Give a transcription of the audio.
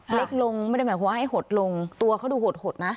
เล็กลงไม่ได้หมายความว่าให้หดลงตัวเขาดูหดนะ